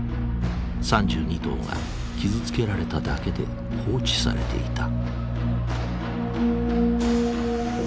３２頭は傷つけられただけで放置されていた。